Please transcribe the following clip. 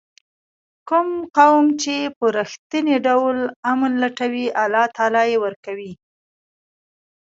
کوم قوم چې په رښتیني ډول امن لټوي الله تعالی یې ورکوي.